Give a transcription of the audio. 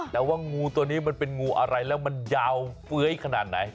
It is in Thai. แต่ว่างูตัวนี้มันเป็นงูอะไรแล้วมันยาวเฟ้ยขนาดไหน